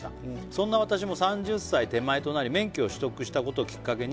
「そんな私も３０歳手前となり免許を取得したことをきっかけに」